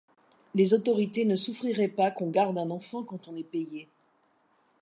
Les autorités ne souffriraient pas qu’on garde un enfant quand on est payé.